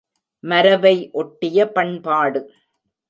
மரபை ஒட்டிய பண்பாடு.